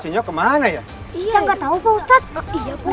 coba aku yang pegang dulu